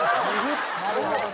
なるほどな。